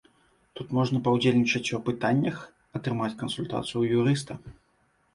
Тут можна паўдзельнічаць у апытаннях, атрымаць кансультацыю ў юрыста.